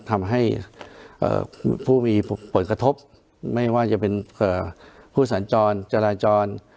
ทำให้ผู้มีผลกระทบไม่ว่าจะเป็นผู้สัญจรจราจร